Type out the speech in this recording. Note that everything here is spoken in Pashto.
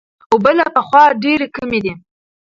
اوبه له پخوا ډېرې کمې دي.